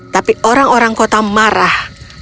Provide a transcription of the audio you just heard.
tapi orang orang kota marah